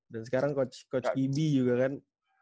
dan sekarang coach ibi juga kan